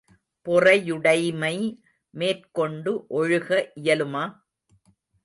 பொறையுடைமை மேற்கொண்டு ஒழுக இயலுமா?